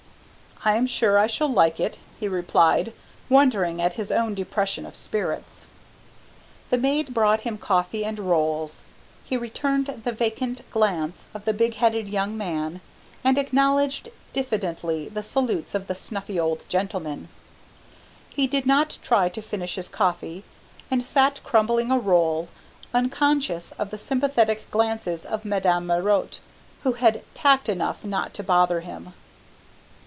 "I am sure I shall like it," he replied, wondering at his own depression of spirits. The maid brought him coffee and rolls. He returned the vacant glance of the big headed young man and acknowledged diffidently the salutes of the snuffy old gentlemen. He did not try to finish his coffee, and sat crumbling a roll, unconscious of the sympathetic glances of Madame Marotte, who had tact enough not to bother him.